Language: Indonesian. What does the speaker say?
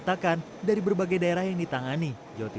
mau pakaian pasiennya ya jadi satu